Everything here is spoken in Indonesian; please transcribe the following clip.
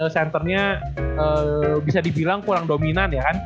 centernya bisa dibilang kurang dominan ya kan